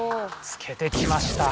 つけてきました。